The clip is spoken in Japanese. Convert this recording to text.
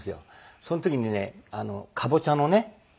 その時にねカボチャのね。